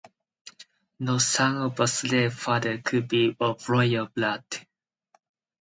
No son of a slave father could be of royal blood.